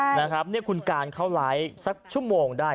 ใช่นะครับคุณกานเขาไล่สักชั่วโมงได้